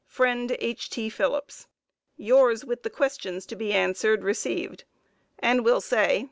Friend H. T. Phillips: Yours with the questions to be answered received, and will say